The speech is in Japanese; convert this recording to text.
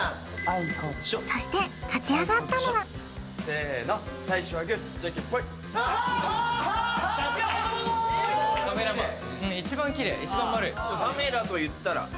そして勝ち上がったのがせの最初はグージャンケンポイ・カメラマン